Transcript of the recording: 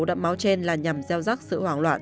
động máu trên là nhằm gieo rắc sự hoảng loạn